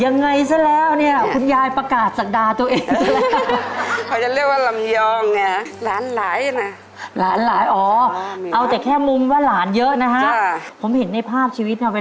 ในสายตาของยายหลานคุณนี้เป็นยังไงบ้างเนื้อ